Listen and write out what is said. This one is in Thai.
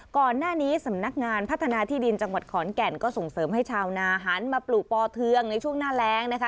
ก่อนหน้านี้สำนักงานพัฒนาที่ดินจังหวัดขอนแก่นก็ส่งเสริมให้ชาวนาหันมาปลูกปอเทืองในช่วงหน้าแรงนะคะ